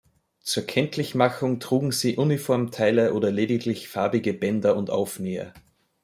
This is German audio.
Zur Kenntlichmachung trugen sie Uniformteile oder lediglich farbige Bänder und Aufnäher.